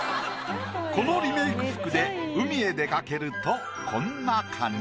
このリメイク服で海へ出かけるとこんな感じ。